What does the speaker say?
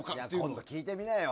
今度聞いてみなよ。